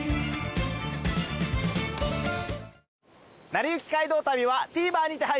『なりゆき街道旅』はＴＶｅｒにて配信中です。